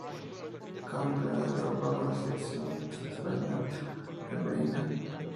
Campeona de Europa con la selección española femenina